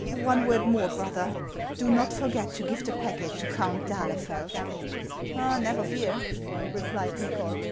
" One word more, brother ; do not forget to give the packet to Count d'Ahlefeld." " Never fear," replied Nychol.